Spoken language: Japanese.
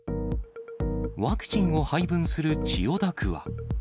ワクチンを配分する千代田区